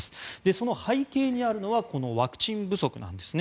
その背景にあるのはワクチン不足なんですね。